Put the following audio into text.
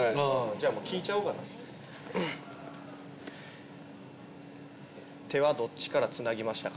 じゃあもう聞いちゃおうかな手はどっちからつなぎましたか？